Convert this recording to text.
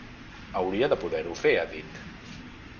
Hauria de poder-ho fer, ha dit.